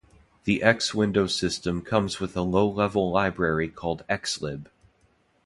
The X Window System comes with a low-level library called Xlib.